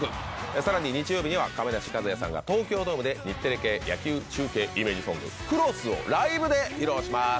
さらに日曜日には亀梨和也さんが東京ドームで日テレ系野球中継イメージソング『Ｃｒｏｓｓ』をライブで披露します。